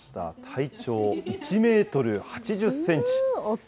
体長１メートル８０センチ。